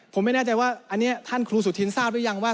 ผมไม่แน่ใจว่าอันนี้ท่านครูสุธินทราบหรือยังว่า